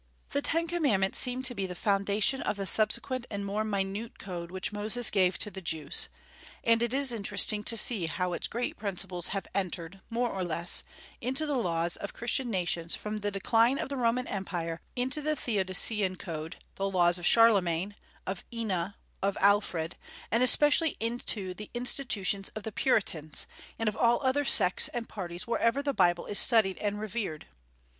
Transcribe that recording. The Ten Commandments seem to be the foundation of the subsequent and more minute code which Moses gave to the Jews; and it is interesting to see how its great principles have entered, more or less, into the laws of Christian nations from the decline of the Roman Empire, into the Theodosian code, the laws of Charlemagne, of Ina, of Alfred, and especially into the institutions of the Puritans, and of all other sects and parties wherever the Bible is studied and revered.